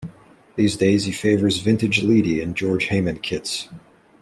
These days he favours vintage Leedy and George Hayman kits.